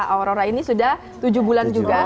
aurora ini sudah tujuh bulan juga